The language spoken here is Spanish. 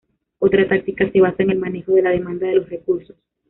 Otra táctica se basa en el manejo de la demanda de los recursos.